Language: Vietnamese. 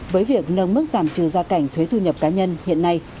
với việc nâng mức giảm trừ gia cảnh thuế thu nhập cá nhân hiện nay